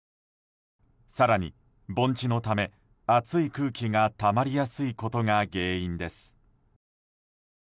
更に、盆地のため暑い空気がたまりやすいことが原因です。